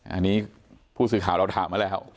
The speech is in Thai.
อันนี้ผู้สื่อข่าวเราถามมาแล้ว